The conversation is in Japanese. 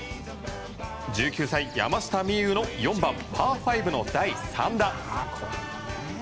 １９歳、山下美夢有の４番、パー５の第３打。